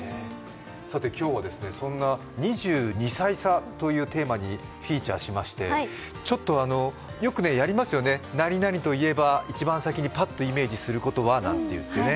今日はそんな２２歳差というテーマにフィーチャーしましてちょっとよくやりますよね、なになにといえば一番先にパッとイメージすることは？なんていってね。